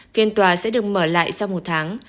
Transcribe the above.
phiên tòa sẽ được mở lại sau một tháng